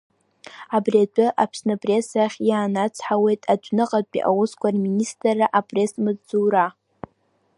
Абри атәы Аԥсныпресс ахь иаанацҳауеит адәныҟатәи аусқәа рминистрра апресс-маҵзура.